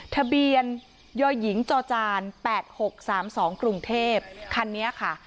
ทะเบียนยหญิงจอจาน๘๖๓๒กรุงเทพคันนี้ค่ะ